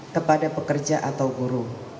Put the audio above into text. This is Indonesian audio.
kepada pekerja atau guru